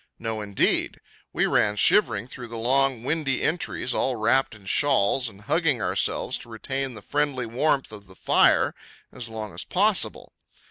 No, indeed! We ran shivering through the long, windy entries, all wrapped in shawls, and hugging ourselves to retain the friendly warmth of the fire as long as possible.